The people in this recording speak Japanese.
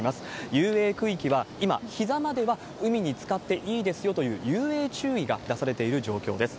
遊泳区域は今、ひざまでは海につかっていいですよという、遊泳注意が出されている状況です。